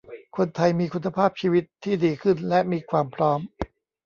คนไทยมีคุณภาพชีวิตที่ดีขึ้นและมีความพร้อม